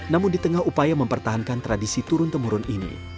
namun di tengah upaya mempertahankan tradisi turun temurun ini